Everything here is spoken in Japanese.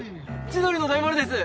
千鳥の大丸です！